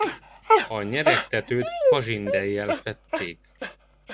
A nyeregtetőt fazsindellyel fedték.